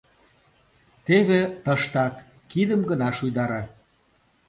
Теве, тыштак, кидым гына шуйдаре.